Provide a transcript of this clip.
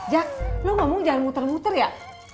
jak lo ngomong jangan muter muter ya